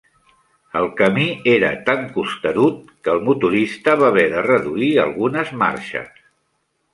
El camí era tan costerut que el motorista va haver de reduir algunes marxes.